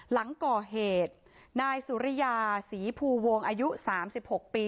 หลังก่อเหตุนายสุริยาศรีภูวงอายุ๓๖ปี